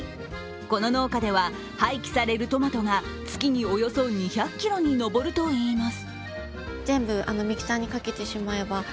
この農家では、廃棄されるトマトが月におよそ２００ｋｇに上るといいます